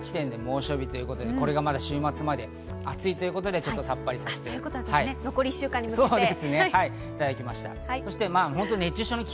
全国４７地点で猛暑日ということで、これが週末まで暑いということでさっぱりさせていただきました。